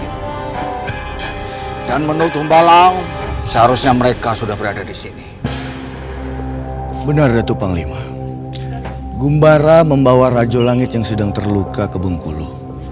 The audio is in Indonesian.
tuh kok bisa ya bau siri melekat ini pada tubuh saya